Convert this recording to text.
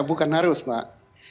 bukan harus mbak